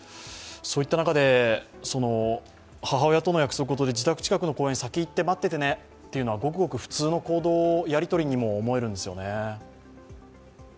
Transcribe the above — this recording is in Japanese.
そういった中で、母親との約束を守って、自宅近くの公園まで行って先行って待っててね、というのはごくごく普通のやりとりにも思えるんですよね。